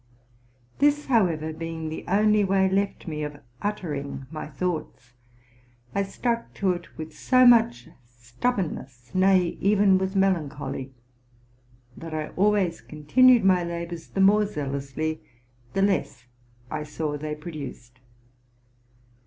This, how ever, being the only way left me of uttering my thoughts, I stuck to it with so much stubbornness, nay, even with melancholy, that I always continued my labors the more zealously the less I saw they produced.